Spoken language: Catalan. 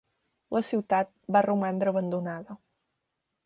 La ciutat va romandre abandonada.